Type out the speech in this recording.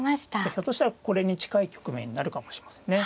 ひょっとしたらこれに近い局面になるかもしれませんね。